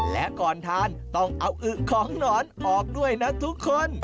และก่อนทานต้องเอาอึของหนอนออกด้วยนะทุกคน